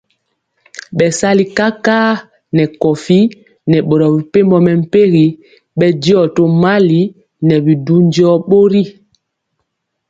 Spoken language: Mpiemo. Bɛsali kakar nɛ kowi nɛ boro mepempɔ mɛmpegi bɛndiɔ tomali nɛ bi du jɔɔ bori.